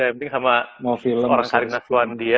yang penting sama orang karina suwandi ya